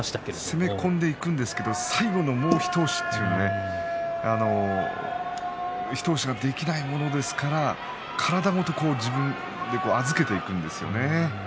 攻め込んではいくんですが最後のもう一押しというのができないものですから体ごと自分を預けていくんですよね。